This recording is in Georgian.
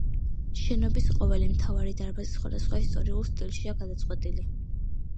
შენობის ყოველი მთავარი დარბაზი სხვადასხვა ისტორიულ სტილშია გადაწყვეტილი.